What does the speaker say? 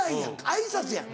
挨拶やん